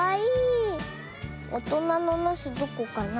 おとなのなすどこかな？